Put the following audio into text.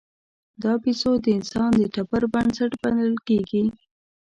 دا بیزو د انسان د ټبر بنسټ بلل کېږي.